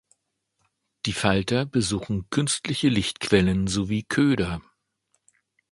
Die Falter besuchen künstliche Lichtquellen sowie Köder.